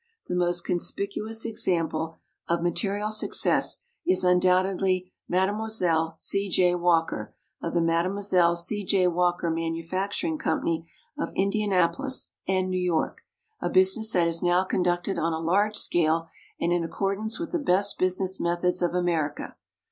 The most conspicuous example of material success is undoubtedly Mme. C. J. Walker, of the Mme. C. J. Walker Manufacturing Com pany, of Indianapolis and New York, a business that is now conducted on a large scale and in accordance with the best busi ness methods of America.